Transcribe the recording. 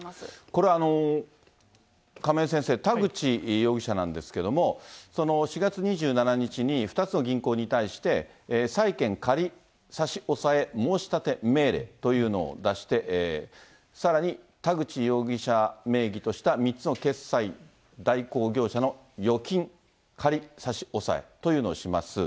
これ、亀井先生、田口容疑者なんですけれども、４月２７日に２つの銀行に対して、債権仮差し押さえ申し立て命令というのを出して、さらに田口容疑者名義とした３つの決済代行業者の預金仮差し押さえというのをします。